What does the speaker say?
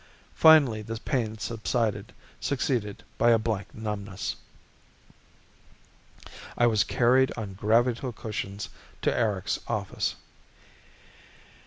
Finally the pain subsided, succeeded by a blank numbness. I was carried on gravito cushions to Erics' office.